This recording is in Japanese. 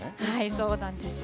そうなんですよ。